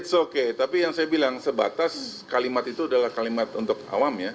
it's okay tapi yang saya bilang sebatas kalimat itu adalah kalimat untuk awam ya